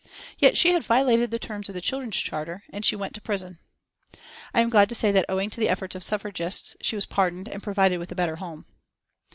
Yet she had violated the terms of the "Children's Charter" and she went to prison. I am glad to say that owing to the efforts of suffragists she was pardoned and provided with a better home.